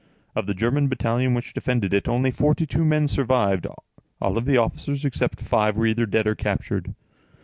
Of the German battalion which defended it, only forty two men survived; all the officers, except five, were either dead or captured.